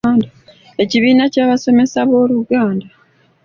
Ekibiina ky’Abasomesa b’Oluganda,